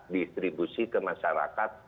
distribusi ke masyarakat